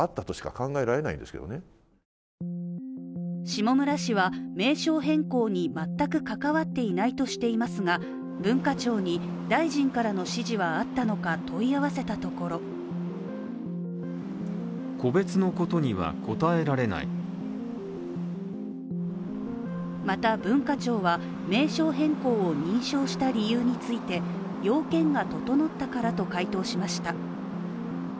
下村氏は、名称変更に全く関わっていないとしていますが文化庁に大臣からの指示はあったのか問い合わせたところまた文化庁は名称変更を認証した理由について要件が整ったからと回答しました。